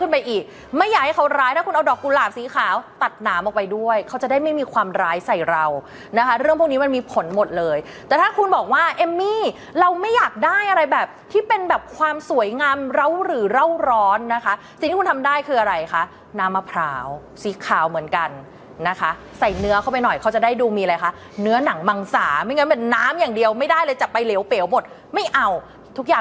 เอาไว้เขาจะได้ไม่มีความร้ายใส่เรานะคะเรื่องพวกนี้มันมีผลหมดเลยแต่ถ้าคุณบอกว่าเอมมี่เราไม่อยากได้อะไรแบบที่เป็นแบบความสวยงามร่าวหรือร่าวร้อนนะคะสิ่งที่คุณทำได้คืออะไรคะน้ำมะพร้าวสีขาวเหมือนกันนะคะใส่เนื้อเข้าไปหน่อยเขาจะได้ดูมีอะไรคะเนื้อหนังมังสาไม่งั้นเป็นน้ำอย่างเดียวไม่ได้เลยจะไปเหลวเป๋วหมดไม่เอาทุกอย